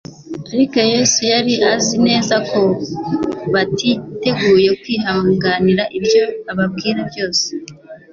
Ariko Yesu yari azi neza ko batiteguye kwihanganira ibyo ababwira byose.